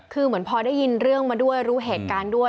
คือเหมือนพอได้ยินเรื่องมาด้วยรู้เหตุการณ์ด้วย